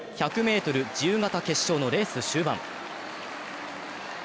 １００ｍ自由形決勝のレース終盤。